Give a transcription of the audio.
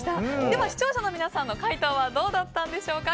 では視聴者の皆さんの回答はどうだったんでしょうか。